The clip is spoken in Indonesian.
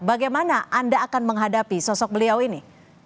bagaimana anda akan menghadapi sosok beliau ini